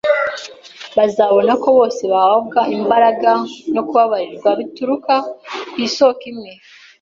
Bazabona ko bose bahabwa imbaraga no kubabarirwa bituruka ku isoko imwe